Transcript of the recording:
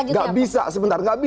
nggak bisa sebentar